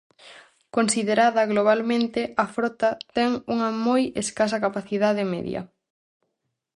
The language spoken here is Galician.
Considerada globalmente, a frota ten unha moi escasa capacidade media.